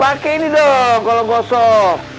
pakai ini dong kalau gosok